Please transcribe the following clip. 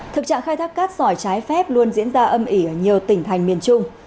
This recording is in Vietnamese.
thực trạng khai thác cát sỏi trái phép luôn diễn ra âm ỉ ở nhiều tỉnh thành miền trung